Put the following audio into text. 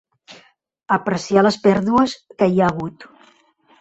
Apreciar les pèrdues que hi ha hagut.